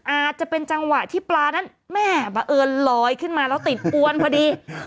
อาจจะเป็นจังหวะที่ปลานั้นแม่บังเอิญลอยขึ้นมาแล้วติดอวนพอดี